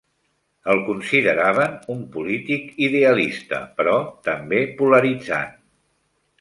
El consideraven un polític idealista, però també polaritzant.